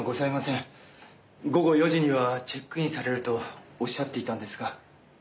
午後４時にはチェックインされるとおっしゃっていたんですが。